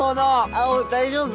青大丈夫？